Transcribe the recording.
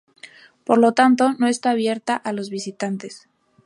Por lo tanto no está abierta a los visitantes.